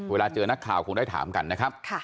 เวลาเจอนักข่าวคงได้ถามกันนะครับ